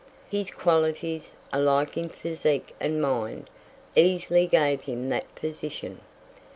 His qualities, alike in physique and mind, easily gave him that position.